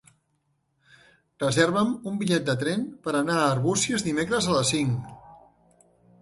Reserva'm un bitllet de tren per anar a Arbúcies dimecres a les cinc.